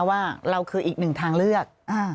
ว่าเราคืออีกหนึ่งทางเลือก